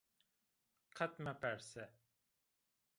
Qet meperse